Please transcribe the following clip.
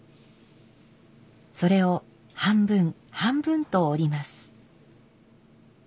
それを半分半分と折ります。